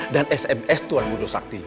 dan sms tuan mudo sakti